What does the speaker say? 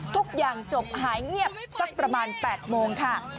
ทุกอย่างจบหายเงียบสักประมาณ๘โมงค่ะ